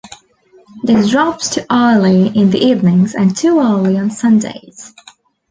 This drops to hourly in the evenings and two-hourly on Sundays.